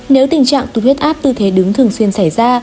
nếu tình trạng tụt huyết áp tư thế đứng thường xuyên xảy ra